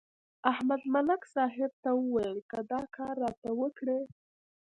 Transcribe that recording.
احمد ملک صاحب ته ویل: که دا کار راته وکړې.